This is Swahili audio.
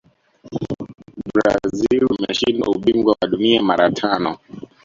brazil wameshinda ubingwa wa dunia mara tano